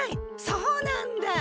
そうなんだ！